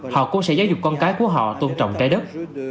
họ cũng sẽ giáo dục con cái của họ tôn trọng trái đất